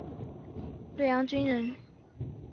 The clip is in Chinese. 略阳郡人。